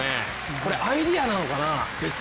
これアイデアなのかな。